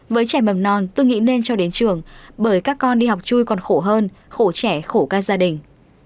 với trẻ mầm non tôi nghĩ nên cho đến trường bởi các con đi học chui còn khổ hơn khổ trẻ khổ các gia đình